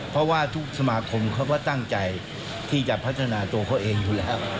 เพราะว่าทุกสมาคมเขาก็ตั้งใจที่จะพัฒนาตัวเขาเองอยู่แล้ว